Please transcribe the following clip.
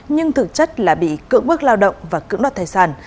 nhưng thực chất là bị cưỡng bức lao động và cưỡng đoạt tài sản